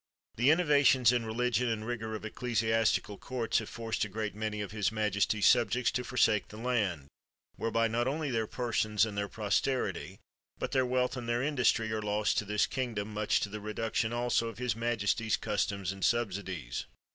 The innovations in religion and rigor of ecclesiastical courts have forced a great many of his majesty's subjects to forsake the land; whereby not only their persons and their pos terity, but their wealth and their industry are lost to this kingdom, much to the reduction, also, of his majesty's customs and subsidies.